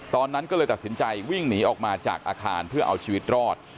ตอนนั้นก็เลยตัดสินใจวิ่งหนีออกมาจากอาคารเพื่อเอาชีวิตรอด